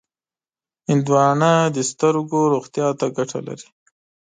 هندوانه د سترګو روغتیا ته ګټه لري.